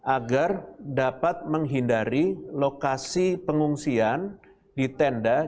agar dapat menghindari lokasi pengungsian di tenda